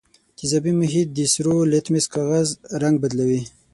تیزابي محیط د سرو لتمس کاغذ رنګ بدلوي.